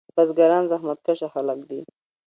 بزګران زحمت کشه خلک دي.